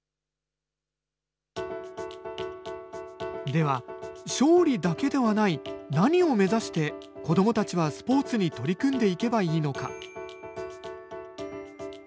では、勝利だけではない、何を目指して子どもたちはスポーツに取り組んでいけばいいのか。